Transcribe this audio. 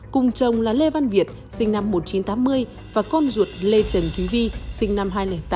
cùng chồng là lê văn việt sinh năm một nghìn chín trăm tám mươi và con ruột lê trần thúy vi sinh năm hai nghìn tám